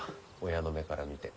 親の目から見て。